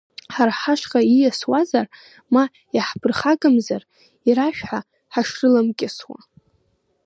Ҳара ҳашҟа ииасуазар, ма иаҳԥырхагамзар, ирашәҳәа ҳашрыламкьысуа.